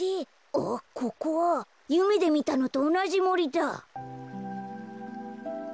あっここはゆめでみたのとおなじもりだ。